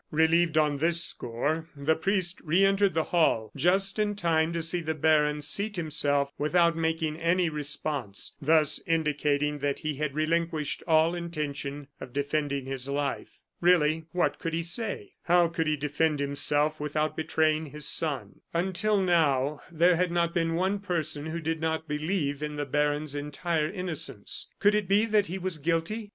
Relieved on this score, the priest re entered the hall just in time to see the baron seat himself without making any response, thus indicating that he had relinquished all intention of defending his life. Really, what could he say? How could he defend himself without betraying his son? Until now there had not been one person who did not believe in the baron's entire innocence. Could it be that he was guilty?